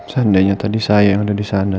seandainya tadi saya yang ada di sana